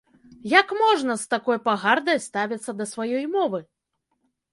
Як можна з такой пагардай ставіцца да сваёй мовы?